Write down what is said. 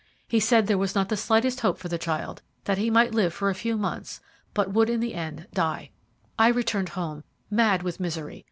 He said there was not the slightest hope for the child that he might live for a few months, but would in the end die. "I returned home, mad with misery.